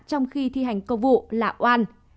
trong khi thi hành công vụ là oan